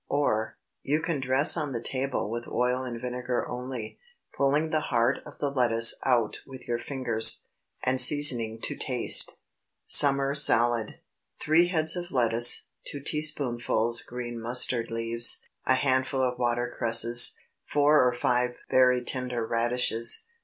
Or, You can dress on the table with oil and vinegar only, pulling the heart of the lettuce out with your fingers, and seasoning to taste. SUMMER SALAD. 3 heads of lettuce. 2 teaspoonfuls green mustard leaves. A handful of water cresses. Four or five very tender radishes.